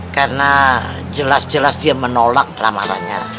karena jelas jelas dia menolak ramahannya